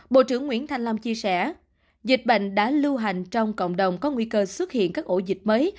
bộ trưởng nguyễn thanh long chia sẻ dịch bệnh đã lưu hành trong cộng đồng có nguy cơ xuất hiện các ổ dịch mới